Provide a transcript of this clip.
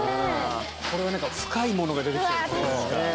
これは何か深いものが出てきそうですね。